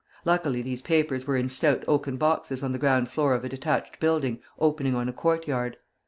Luckily these papers were in stout oaken boxes on the ground floor of a detached building opening on a courtyard.